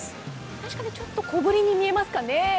確かにちょっと小ぶりに見えますかね。